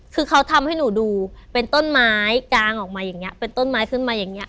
คือเขาทำให้หนูดูเป็นต้นไม้กางออกมาอย่างนี้เป็นต้นไม้ขึ้นมาอย่างนี้